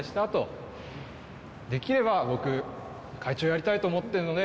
できれば僕会長やりたいと思ってるので。